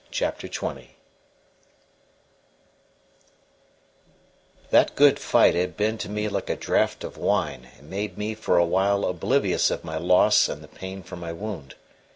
CHAPTER XX That good fight had been to me like a draught of wine, and made me for a while oblivious of my loss and of the pain from my wound.